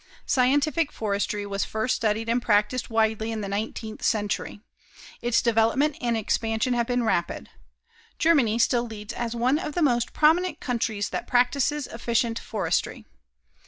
Scientific forestry was first studied and practised widely in the nineteenth century. Its development and expansion have been rapid. Germany still leads as one of the most prominent countries that practices efficient forestry.